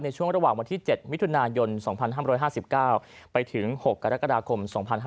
ช่วงระหว่างวันที่๗มิถุนายน๒๕๕๙ไปถึง๖กรกฎาคม๒๕๕๙